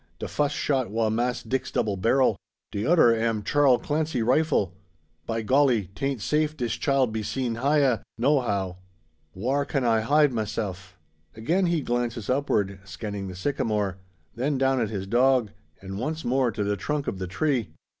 De fuss shot wa' Mass' Dick's double barrel; de oder am Charl Clancy rifle. By golly! 'taint safe dis child be seen hya, no how. Whar kin a hide maseff?" Again he glances upward, scanning the sycamore: then down at his dog; and once more to the trunk of the tree.